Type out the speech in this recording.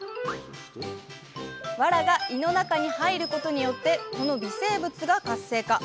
わらが胃の中に入ることによってこの微生物が活性化。